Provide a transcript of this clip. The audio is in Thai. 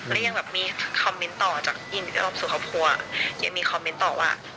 แล้วยังแบบมีคอมเม้นต์ต่อจากยินดีต้อนรับสู่ครอบครัวอย่างมีคอมเม้นต์ต่อว่า